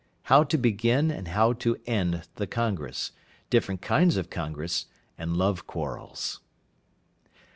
How to begin and how to end the Congress. Different kinds of Congress, and Love Quarrels.